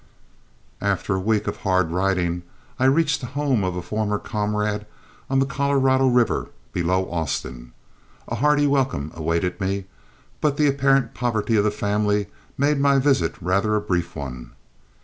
After a week of hard riding I reached the home of a former comrade on the Colorado River below Austin. A hearty welcome awaited me, but the apparent poverty of the family made my visit rather a brief one.